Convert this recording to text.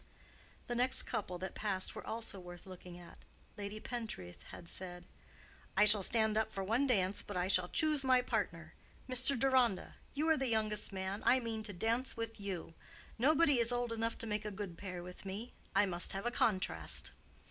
The next couple that passed were also worth looking at. Lady Pentreath had said, "I shall stand up for one dance, but I shall choose my partner. Mr. Deronda, you are the youngest man, I mean to dance with you. Nobody is old enough to make a good pair with me. I must have a contrast."